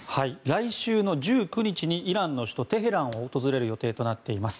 来週の１９日にイランの首都テヘランを訪れる予定となっています。